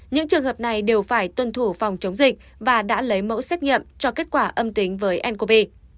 những trường hợp này đều phải tuân thủ phòng chống dịch và đã lấy mẫu xét nghiệm cho kết quả âm tính với ncov